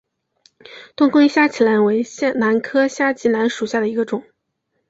南昆虾脊兰为兰科虾脊兰属下的一个种。